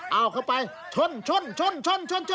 เอาเข้าไปชน